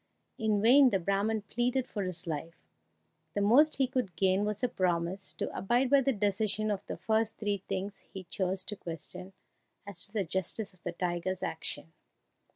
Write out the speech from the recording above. In vain the Brahman pleaded for his life; the most he could gain was a promise to abide by the decision of the first three things he chose to question as to the justice of the tiger's action.